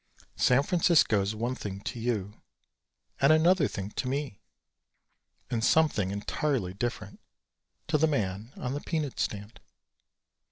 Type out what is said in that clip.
San Francisco is one thing to you and another thing to me and something entirely different to the man on the peanut stand.